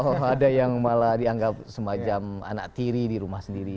oh ada yang malah dianggap semacam anak tiri di rumah sendiri